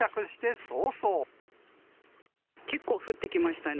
結構降ってきましたね。